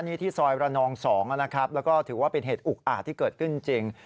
นี่ที่ซอยระนอง๒นะครับแล้วก็ถือว่าเป็นเหตุอุกอาจที่เกิดขึ้นจริง